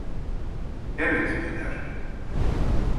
Evet, Peder.